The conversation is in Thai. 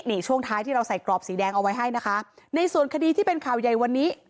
นี่ช่วงท้ายที่เราใส่กรอบสีแดงเอาไว้ให้นะคะในส่วนคดีที่เป็นข่าวใหญ่วันนี้